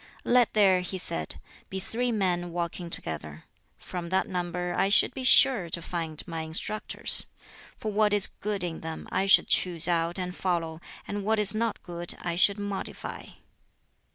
"Let there," he said, "be three men walking together: from that number I should be sure to find my instructors; for what is good in them I should choose out and follow, and what is not good I should modify."